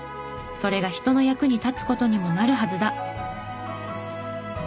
それが人の役に立つ事にもなるはずだ。